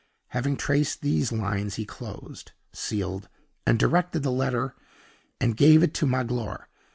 Having traced these lines, he closed, sealed, and directed the letter, and gave it to Magloire.